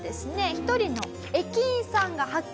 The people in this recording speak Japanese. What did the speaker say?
１人の駅員さんが発見。